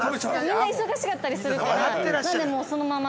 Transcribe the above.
◆みんな忙しかったりするから、なんでもう、そのまま。